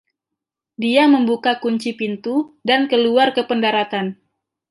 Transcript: Dia membuka kunci pintu dan keluar ke pendaratan.